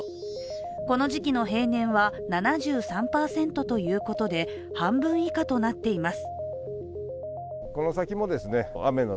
この時期の平年は７３％ということで半分以下となっています。